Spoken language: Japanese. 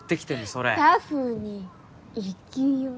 それ「タフに生きよう」